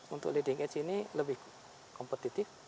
untuk leading age ini lebih kompetitif